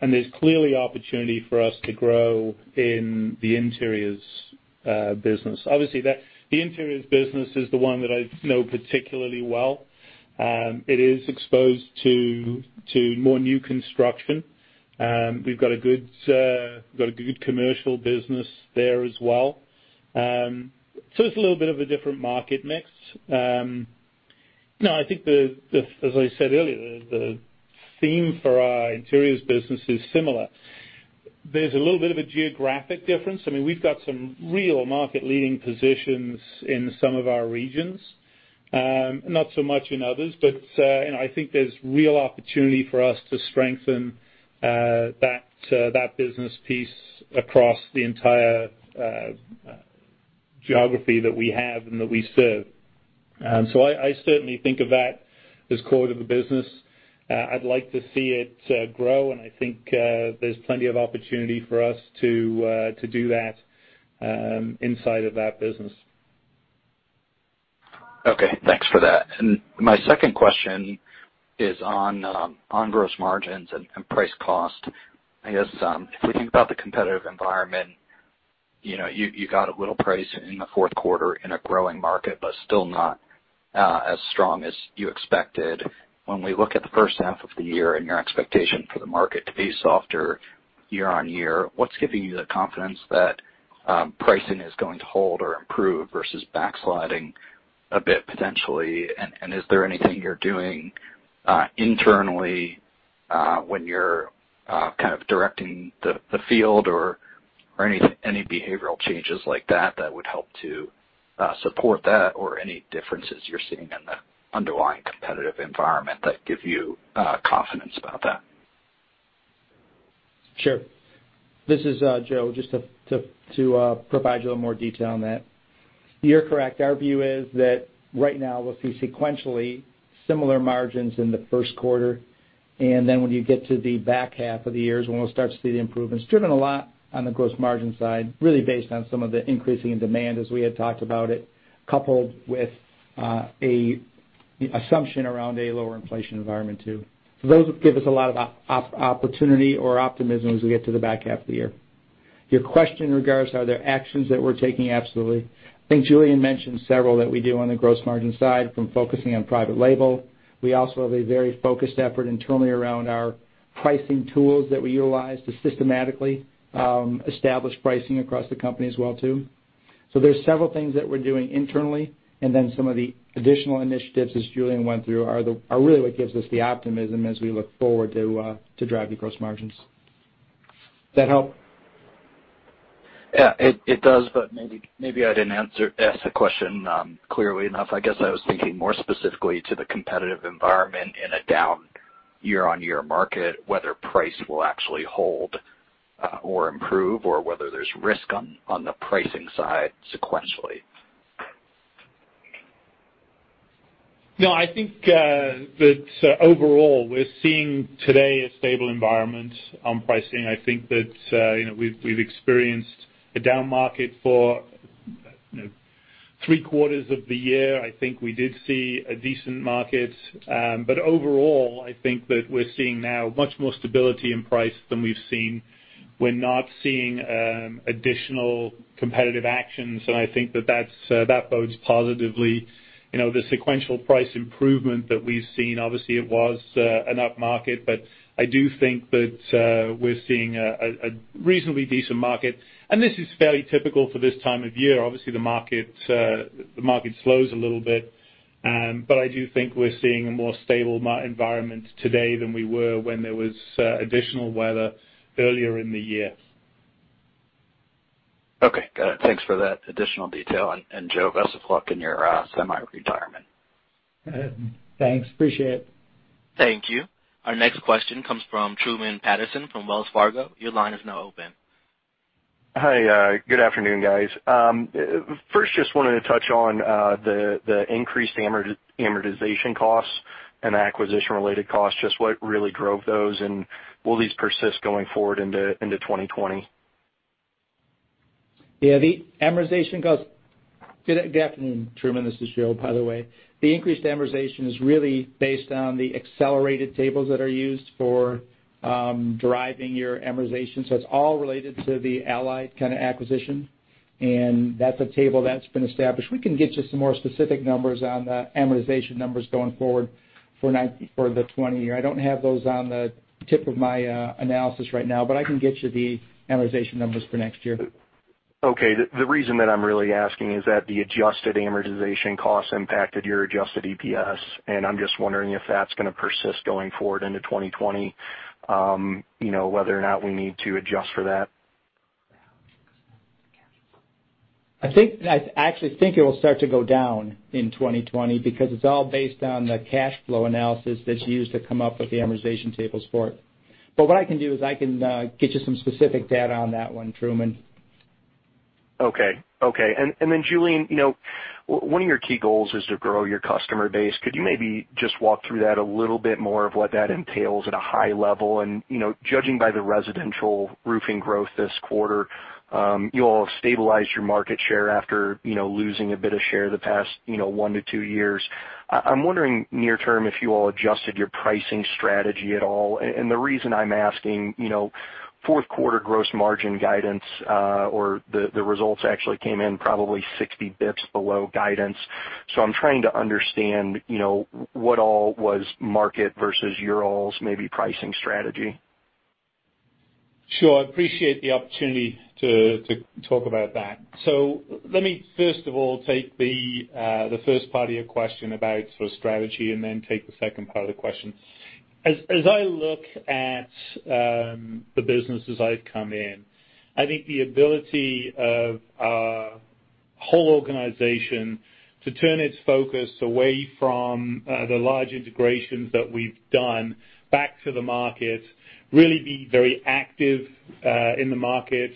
and there's clearly opportunity for us to grow in the interiors business. Obviously, the interiors business is the one that I know particularly well. It is exposed to more new construction. We've got a good commercial business there as well. It's a little bit of a different market mix. No, I think the, as I said earlier, the theme for our interiors business is similar. There's a little bit of a geographic difference. I mean, we've got some real market-leading positions in some of our regions, not so much in others. You know, I think there's real opportunity for us to strengthen that business piece across the entire geography that we have and that we serve. I certainly think of that as core to the business. I'd like to see it grow, and I think there's plenty of opportunity for us to do that inside of that business. Okay, thanks for that. My second question is on gross margins and price cost. I guess, if we think about the competitive environment, you know, you got a little price in the fourth quarter in a growing market but still not as strong as you expected. When we look at the first half of the year and your expectation for the market to be softer year-on-year, what's giving you the confidence that pricing is going to hold or improve versus backsliding a bit potentially? Is there anything you're doing internally when you're kind of directing the field or any behavioral changes like that that would help to support that? Or any differences you're seeing in the underlying competitive environment that give you confidence about that? Sure. This is Joe just to provide you a little more detail on that. You're correct. Our view is that right now we'll see sequentially similar margins in the first quarter, and then when you get to the back half of the year is when we'll start to see the improvements, driven a lot on the gross margin side, really based on some of the increasing in demand as we had talked about it, coupled with a assumption around a lower inflation environment too. Those give us a lot of opportunity or optimism as we get to the back half of the year. Your question in regards to are there actions that we're taking, absolutely. I think Julian mentioned several that we do on the gross margin side, from focusing on private label. We also have a very focused effort internally around our pricing tools that we utilize to systematically establish pricing across the company as well too. There's several things that we're doing internally, and then some of the additional initiatives, as Julian went through, are really what gives us the optimism as we look forward to driving gross margins. That help? Yeah, it does, but maybe I didn't ask the question clearly enough. I guess I was thinking more specifically to the competitive environment in a down year-on-year market, whether price will actually hold, or improve or whether there's risk on the pricing side sequentially. No, I think that overall, we're seeing today a stable environment on pricing. I think that, you know, we've experienced a down market for, you know, three quarters of the year. I think we did see a decent market. Overall, I think that we're seeing now much more stability in price than we've seen. We're not seeing additional competitive actions, and I think that that's that bodes positively. You know, the sequential price improvement that we've seen, obviously, it was an upmarket, but I do think that we're seeing a reasonably decent market. This is fairly typical for this time of year. Obviously, the market slows a little bit. I do think we're seeing a more stable environment today than we were when there was additional weather earlier in the year. Okay. Got it. Thanks for that additional detail. Joe, best of luck in your semi-retirement. Thanks. Appreciate it. Thank you. Our next question comes from Truman Patterson from Wells Fargo. Your line is now open. Hi. Good afternoon, guys. First, just wanted to touch on the increased amortization costs and the acquisition-related costs, just what really drove those, and will these persist going forward into 2020? Yeah, the amortization cost. Good afternoon, Truman. This is Joe, by the way. The increased amortization is really based on the accelerated tables that are used for deriving your amortization. It's all related to the Allied kinda acquisition, and that's a table that's been established. We can get you some more specific numbers on the amortization numbers going forward for the 2020 year. I don't have those on the tip of my analysis right now, but I can get you the amortization numbers for next year. Okay. The reason that I'm really asking is that the adjusted amortization costs impacted your adjusted EPS, and I'm just wondering if that's gonna persist going forward into 2020, you know, whether or not we need to adjust for that. I actually think it will start to go down in 2020 because it's all based on the cash flow analysis that's used to come up with the amortization tables for it. What I can do is I can get you some specific data on that one, Truman. Okay. Okay. Then, Julian, you know, one of your key goals is to grow your customer base. Could you maybe just walk through that a little bit more of what that entails at a high level? You know, judging by the residential roofing growth this quarter, you all have stabilized your market share after, you know, losing a bit of share the past, you know, one to two years. I'm wondering near term if you all adjusted your pricing strategy at all. The reason I'm asking, you know, fourth quarter gross margin guidance, or the results actually came in probably 60 basis points below guidance. I'm trying to understand, you know, what all was market versus you all's maybe pricing strategy. Sure. I appreciate the opportunity to talk about that. Let me first of all take the first part of your question about sort of strategy and then take the second part of the question. As I look at the business as I've come in, I think the ability of our whole organization to turn its focus away from the large integrations that we've done back to the market, really be very active in the market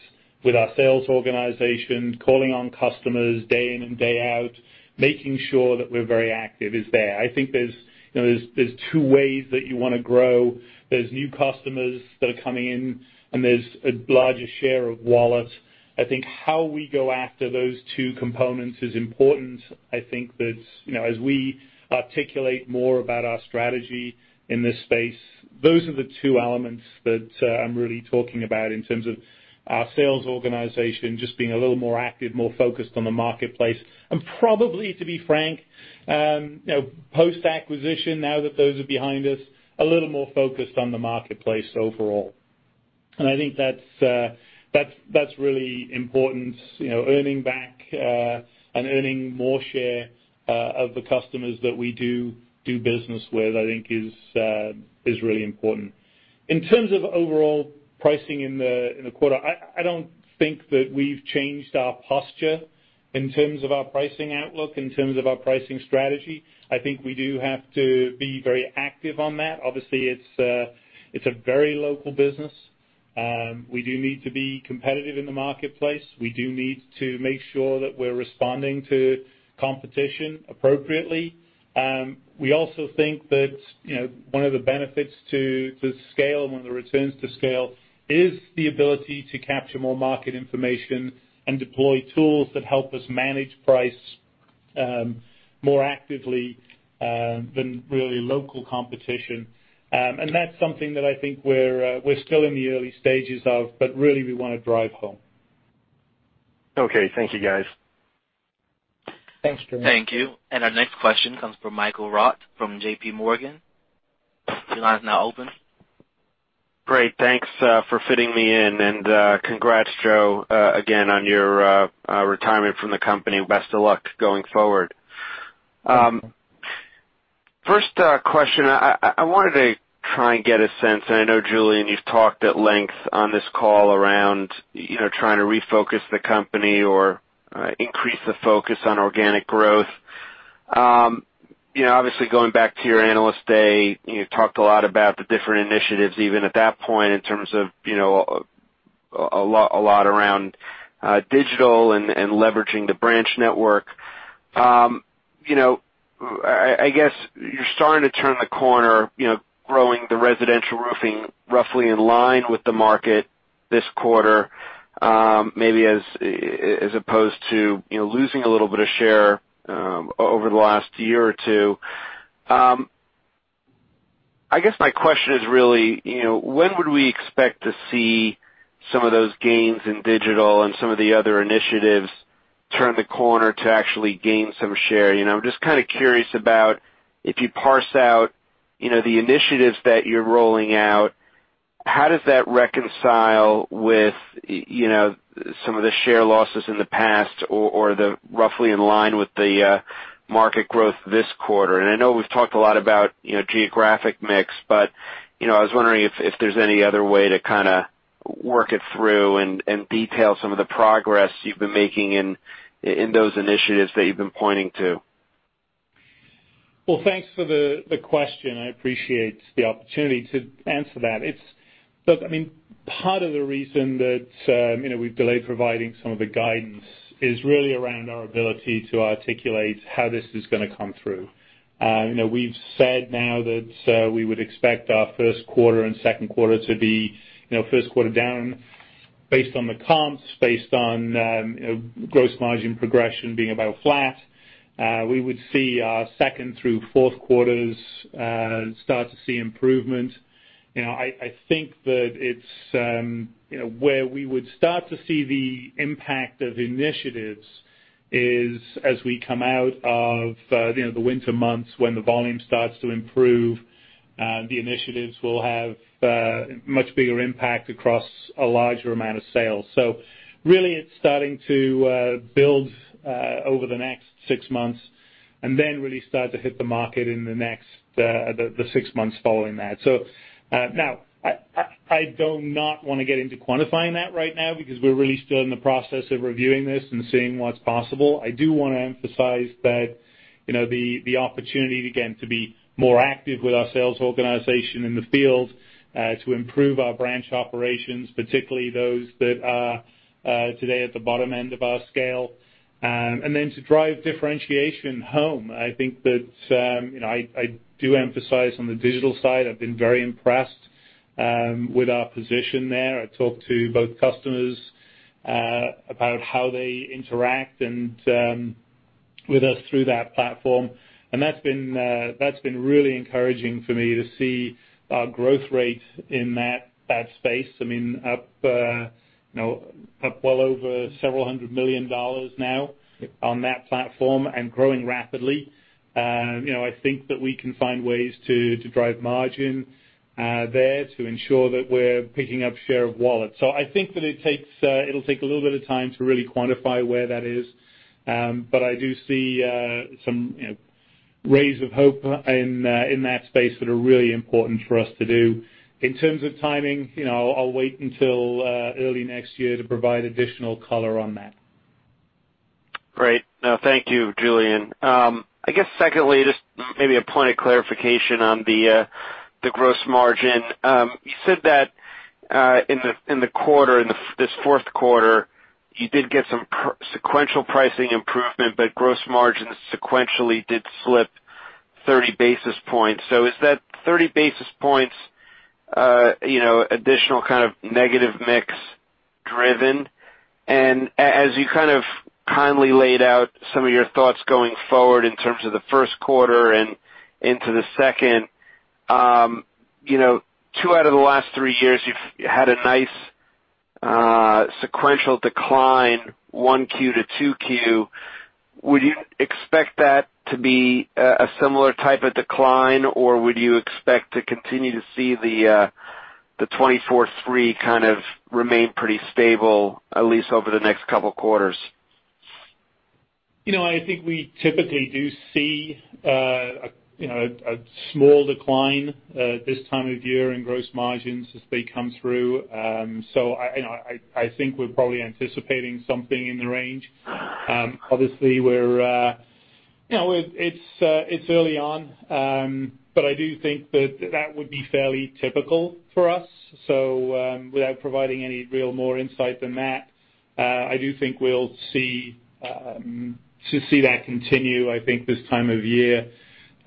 with our sales organization, calling on customers day in and day out, making sure that we're very active is there. I think there's, you know, there's two ways that you wanna grow. There's new customers that are coming in, and there's a larger share of wallet. I think how we go after those two components is important. I think that, you know, as we articulate more about our strategy in this space, those are the two elements that, I'm really talking about in terms of our sales organization just being a little more active, more focused on the marketplace. Probably, to be frank, you know, post-acquisition, now that those are behind us, a little more focused on the marketplace overall. I think that's really important. You know, earning back, and earning more share, of the customers that we do business with, I think is really important. In terms of overall pricing in the quarter, I don't think that we've changed our posture in terms of our pricing outlook, in terms of our pricing strategy. I think we do have to be very active on that. Obviously, it's a very local business. We do need to be competitive in the marketplace. We do need to make sure that we're responding to competition appropriately. We also think that, you know, one of the benefits to scale and one of the returns to scale is the ability to capture more market information and deploy tools that help us manage price more actively than really local competition. That's something that I think we're still in the early stages of, but really we wanna drive home. Okay. Thank you, guys. Thanks, Truman. Thank you. Our next question comes from Michael Rehaut from JP Morgan. Great. Thanks for fitting me in. Congrats, Joe, again, on your retirement from the company. Best of luck going forward. First question. I wanted to try and get a sense, and I know, Julian, you've talked at length on this call around, you know, trying to refocus the company or increase the focus on organic growth. You know, obviously going back to your Analyst Day, you talked a lot about the different initiatives even at that point in terms of, you know, a lot around digital and leveraging the branch network. you know, I guess you're starting to turn the corner, you know, growing the residential roofing roughly in line with the market this quarter, maybe as opposed to, you know, losing a little bit of share, over the last year or two. I guess my question is really, you know, when would we expect to see some of those gains in digital and some of the other initiatives turn the corner to actually gain some share? You know, I'm just kinda curious about if you parse out, you know, the initiatives that you're rolling out, how does that reconcile with, you know, some of the share losses in the past or the roughly in line with the market growth this quarter? I know we've talked a lot about, you know, geographic mix, but, you know, I was wondering if there's any other way to kinda work it through and detail some of the progress you've been making in those initiatives that you've been pointing to. Well, thanks for the question. I appreciate the opportunity to answer that. It's. Look, I mean, part of the reason that, you know, we've delayed providing some of the guidance is really around our ability to articulate how this is gonna come through. You know, we've said now that, we would expect our first quarter and second quarter to be, you know, first quarter down based on the comps, based on, you know, gross margin progression being about flat. We would see our second through fourth quarters, start to see improvement. You know, I think that it's, you know, where we would start to see the impact of initiatives is as we come out of, you know, the winter months when the volume starts to improve, the initiatives will have much bigger impact across a larger amount of sales. Really it's starting to build over the next six months and then really start to hit the market in the next, the six months following that. Now, I don't not wanna get into quantifying that right now because we're really still in the process of reviewing this and seeing what's possible. I do wanna emphasize that, you know, the opportunity, again, to be more active with our sales organization in the field, to improve our branch operations, particularly those that are today at the bottom end of our scale, and then to drive differentiation home. I think that, you know, I do emphasize on the digital side, I've been very impressed with our position there. I talked to both customers about how they interact and with us through that platform, and that's been really encouraging for me to see our growth rate in that space. I mean, you know, up well over several hundred million dollars now on that platform and growing rapidly. you know, I think that we can find ways to drive margin there to ensure that we're picking up share of wallet. I think that it'll take a little bit of time to really quantify where that is. I do see some, you know, rays of hope in that space that are really important for us to do. In terms of timing, you know, I'll wait until early next year to provide additional color on that. Great. No, thank you, Julian. I guess secondly, just maybe a point of clarification on the gross margin. You said that in the quarter, in this fourth quarter, you did get some sequential pricing improvement, but gross margins sequentially did slip 30 basis points. Is that 30 basis points, you know, additional kind of negative mix driven? As you kind of kindly laid out some of your thoughts going forward in terms of the first quarter and into the second, you know, two out of the last three years, you've had a nice sequential decline, 1Q to 2Q. Would you expect that to be a similar type of decline, or would you expect to continue to see the 24.3 kind of remain pretty stable, at least over the next couple quarters? You know, I think we typically do see, you know, a small decline this time of year in gross margins as they come through. I, you know, I think we're probably anticipating something in the range. Obviously we're, you know, it's early on, but I do think that would be fairly typical for us. Without providing any real more insight than that, I do think we'll see to see that continue, I think this time of year.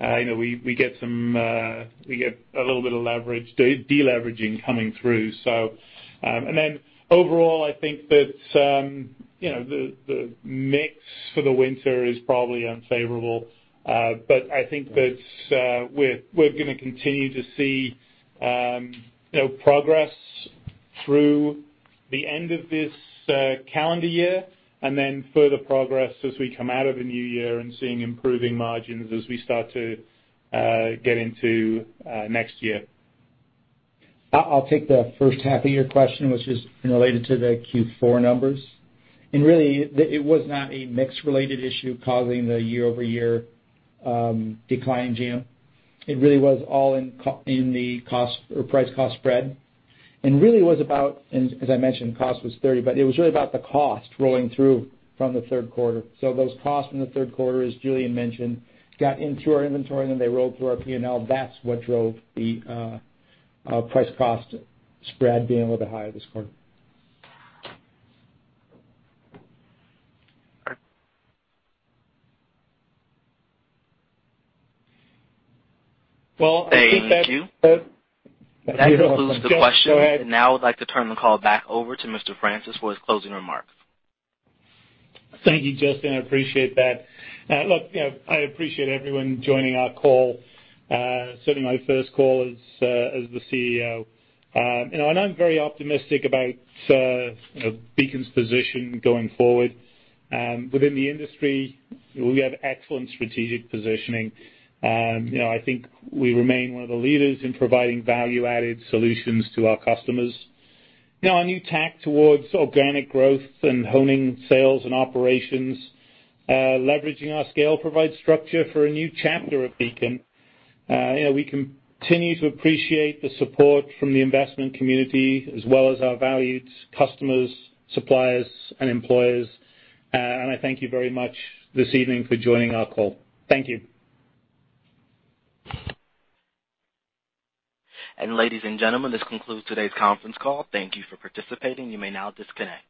You know, we get a little bit of leverage, de-deleveraging coming through. Overall I think that, you know, the mix for the winter is probably unfavorable. I think that we're gonna continue to see, you know, progress through the end of this calendar year, and then further progress as we come out of the new year and seeing improving margins as we start to get into next year. I'll take the first half of your question, which is related to the Q4 numbers. Really, it was not a mix-related issue causing the year-over-year decline in GM. It really was all in the cost or price-cost spread, and really was about as I mentioned, cost was 30, but it was really about the cost rolling through from the third quarter. Those costs in the third quarter, as Julian mentioned, got into our inventory, and then they rolled through our P&L. That's what drove the price-cost spread being a little bit higher this quarter. Well, I think that- Thank you. Go ahead. That concludes the questions. Now I would like to turn the call back over to Mr. Francis for his closing remarks. Thank you, Justin. I appreciate that. I appreciate everyone joining our call, certainly my first call as the CEO. You know, I'm very optimistic about, you know, Beacon's position going forward. Within the industry, we have excellent strategic positioning. You know, I think we remain one of the leaders in providing value-added solutions to our customers. Now, our new tack towards organic growth and honing sales and operations, leveraging our scale provides structure for a new chapter at Beacon. You know, we continue to appreciate the support from the investment community as well as our valued customers, suppliers, and employees. I thank you very much this evening for joining our call. Thank you. Ladies and gentlemen, this concludes today's conference call. Thank you for participating. You may now disconnect.